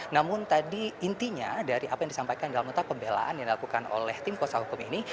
namun tadi intinya dari apa yang disampaikan dalam nota pembelaan yang dilakukan oleh tim kuasa hukum ini